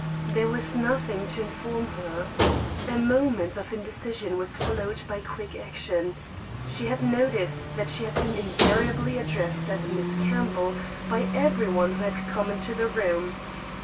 There was nothing to inform her. A moment of indecision was followed by quick action. She had noticed that she had been invariably addressed as Miss Campbell by every one who had come into the room.